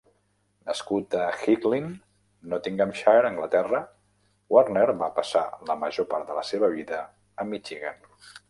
Nascut a Hickling, Nottinghamshire, Anglaterra, Warner va passar la major part de la seva vida a Michigan.